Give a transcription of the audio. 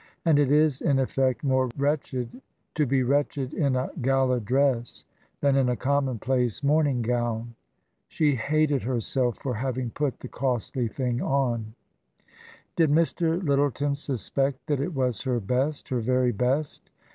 And it is, in effect, more wretched to be wretched in a gala dress than in a commonplace morning gown. She hated herself for having put the costly thing on. Did Mr. Lyttleton suspect that it was her best, her very best